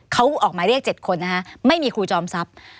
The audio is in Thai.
เขาออกมาเรียก๗คนนะคะไม่มีครูจอมทรัพย์